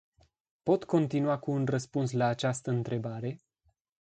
Pot continua cu un răspuns la această întrebare?